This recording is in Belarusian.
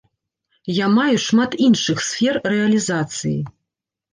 Я маю шмат іншых сфер рэалізацыі.